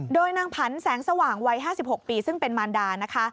โดยนางผันแสงสว่างวัย๕๖ปีซึ่งเป็นมารดานะคะ